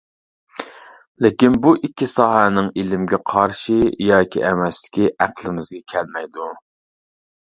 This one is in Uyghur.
لېكىن بۇ ئىككى ساھەنىڭ ئىلىمگە قارشى ياكى ئەمەسلىكى ئەقلىمىزگە كەلمەيدۇ.